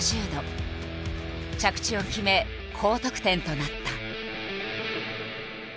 着地を決め高得点となった。